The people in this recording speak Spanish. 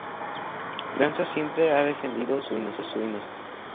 Lanza siempre ha defendido su inocencia.